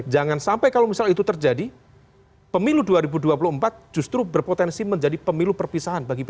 jangan sampai kalau misal itu terjadi pemilu dua ribu dua puluh empat justru berpotensi menjadi pemilu perpisahan bagi p tiga